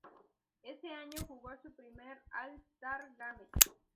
Ese año jugó su primer All-Star Game.